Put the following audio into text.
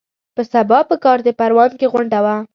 په سبا په کارته پروان کې غونډه وه.